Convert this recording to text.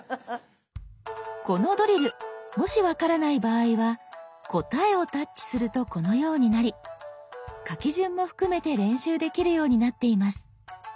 このドリルもし分からない場合は「答え」をタッチするとこのようになり書き順も含めて練習できるようになっています。